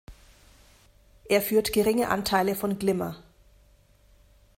Er führt geringe Anteile von Glimmer.